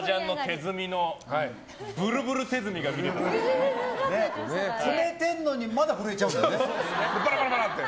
積めてるのにまだ震えちゃうんだよね。